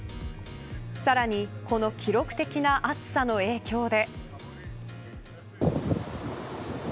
さらにこの記録的な暑さの影響で。